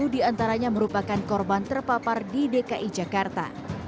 lima puluh diantaranya merupakan korban terpapar di dki jakarta